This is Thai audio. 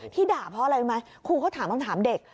ที่ด่าเพราะอะไรไหมครูเขาถามต้องถามเด็ก